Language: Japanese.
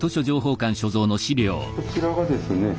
こちらがですね